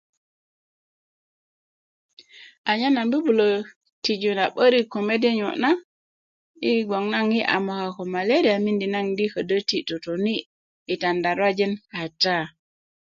anyen nan bubulö tiju na 'börik ko mede niyo' na yi gboŋ naŋ yi a moka ko meleriya miindi naŋ di ti yi totoni' yi tandaruwajin kata